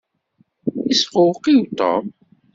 Yesqewqiw Tom.